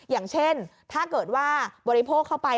อย่างเช่นถ้าเกิดว่าบริโภคเข้าไป